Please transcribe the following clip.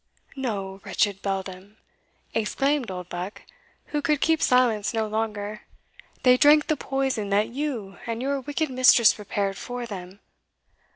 "No, wretched beldam!" exclaimed Oldbuck, who could keep silence no longer, "they drank the poison that you and your wicked mistress prepared for them."